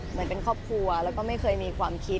เหมือนเป็นครอบครัวแล้วก็ไม่เคยมีความคิด